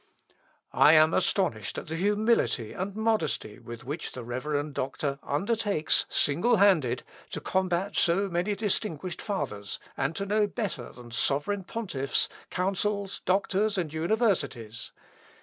_ "I am astonished at the humility and modesty with which the reverend doctor undertakes single handed to combat so many distinguished Fathers, and to know better than sovereign pontiffs, councils, doctors, and universities....